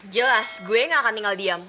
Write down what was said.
jelas gue gak akan tinggal diam